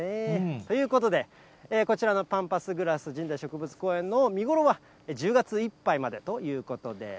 ということで、こちらのパンパスグラス、神代植物公園の見頃は１０月いっぱいまでということです。